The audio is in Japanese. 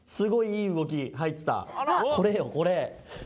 これよこれ。